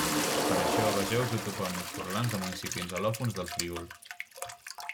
Per a això, vegeu Exotopònims furlans de municipis al·lòfons del Friül.